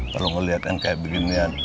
kalau ngeliat yang kayak beginian